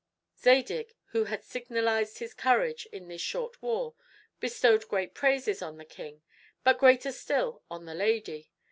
Zadig, who had signalized his courage in this short war, bestowed great praises on the king, but greater still on the lady.